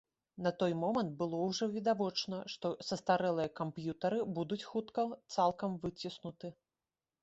На той момант было ўжо відавочна, што састарэлыя камп'ютары будуць хутка цалкам выціснуты.